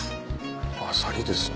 アサリですね